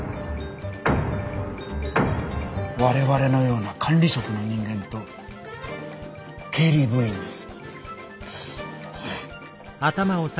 我々のような管理職の人間と経理部員です。